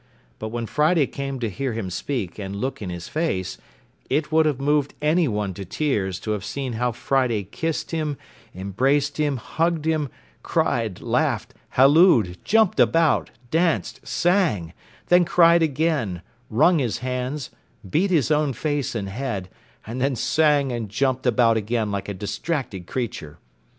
But when Friday came to hear him speak, and look in his face, it would have moved any one to tears to have seen how Friday kissed him, embraced him, hugged him, cried, laughed, hallooed, jumped about, danced, sang; then cried again, wrung his hands, beat his own face and head; and then sang and jumped about again like a distracted creature.